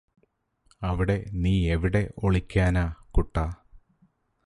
അവിടെ നീയെവിടെ ഒളിക്കാനാ കുട്ടാ